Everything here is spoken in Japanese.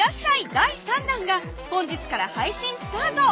第３弾が本日から配信スタート